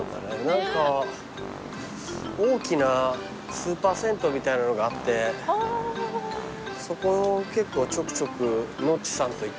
大きなスーパー銭湯みたいなのがあってそこ結構ちょくちょくノッチさんと行ってたな。